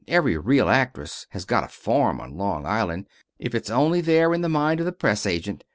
Every real actress has got a farm on Long Island, if it's only there in the mind of the press agent.